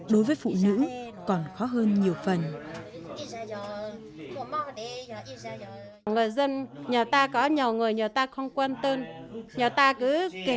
đối với phụ nữ